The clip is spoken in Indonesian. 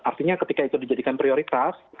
artinya ketika itu dijadikan prioritas